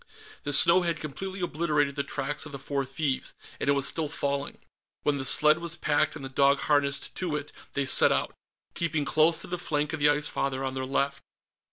The snow had completely obliterated the tracks of the four thieves, and it was still falling. When the sled was packed and the dog harnessed to it, they set out, keeping close to the flank of the Ice Father on their left.